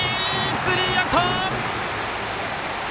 スリーアウト！